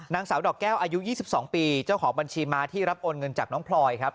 นางสาวดอกแก้วอายุ๒๒ปีเจ้าของบัญชีม้าที่รับโอนเงินจากน้องพลอยครับ